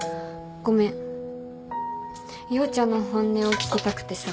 陽ちゃんの本音を聞きたくてさ。